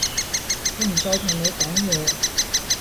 我唔再同你講嘢